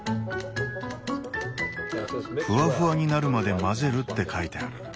「フワフワになるまで混ぜる」って書いてある。